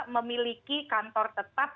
memiliki kantor tetap